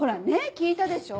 聞いたでしょ？